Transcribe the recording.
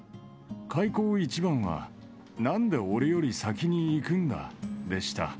開口一番は、なんで俺より先に逝くんだでした。